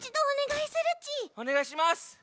おねがいします。